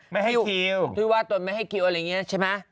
ไม่ให้คิวที่ว่าตนไม่ให้คิวอะไรอย่างนี้ใช่ไหม